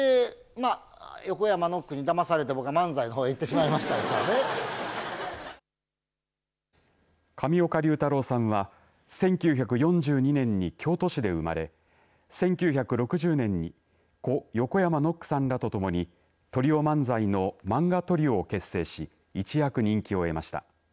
横山ノックにだまされたのか漫才の方上岡龍太郎さんは１９４２年に京都市で生まれ、１９６０年に故、横山ノックさんらとともにトリオ漫才の漫画トリオを結成し一躍人気を得ました。